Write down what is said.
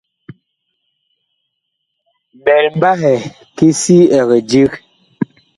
Ɓɛl mbahɛ ki si ɛg dig.